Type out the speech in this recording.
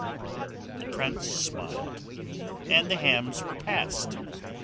The prince smiled, and the hams were passed.